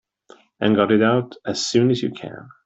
And got it out as soon as you can.